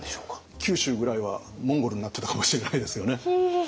九州ぐらいはモンゴルになってたかもしれないですよね。